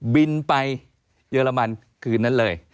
บินไปเยอรมันคืนนั้นเลย